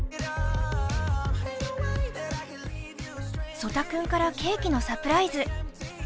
曽田君からケーキのサプライズ。